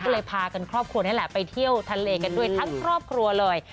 ก็เลยพากันครอบครัวนี่แหละไปเที่ยวทะเลกันด้วยทั้งครอบครัวเลย